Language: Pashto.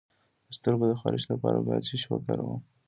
د سترګو د خارښ لپاره باید څه شی وکاروم؟